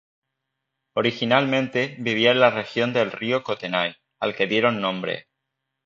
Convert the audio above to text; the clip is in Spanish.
Originalmente, vivía en la región del río Kootenay, al que dieron nombre.